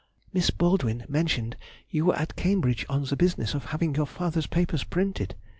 Miss Baldwin mentioned you were at Cambridge on the business of having your father's papers printed.